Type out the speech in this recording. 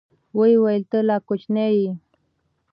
ويې ويل ته لا کوچنى يې.